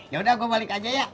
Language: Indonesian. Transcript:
yaudah gue balik aja ya